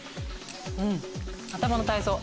うん頭の体操。